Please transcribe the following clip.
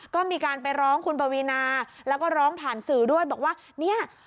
ก็มีการไปร้องคุณปวีนาแล้วก็ร้องผ่านสื่อด้วยบอกว่าเนี่ย